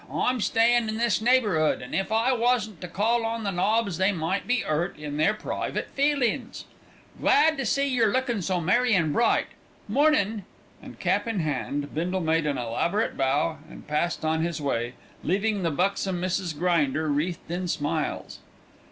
I'm stayin' in this neighbour'ood, and if I wasn't to call on the nobs they might be 'urt in their private feelin's. Glad to see yer lookin' so merry an' bright. Mornin'." And cap in hand, Bindle made an elaborate bow and passed on his way, leaving the buxom Mrs. Grinder wreathed in smiles.